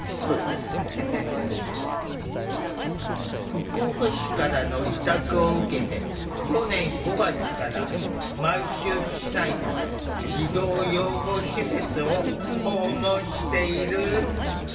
福岡市からの委託を受けて去年５月から毎週市内の児童養護施設を訪問している。